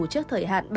trước thời hạn